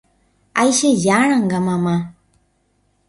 Aichejáranga mama